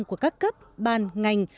của các cấp ban ngành